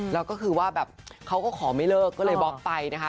แล้วก็คือว่าแบบเขาก็ขอไม่เลิกก็เลยบล็อกไปนะคะ